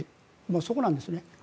そこなんですね。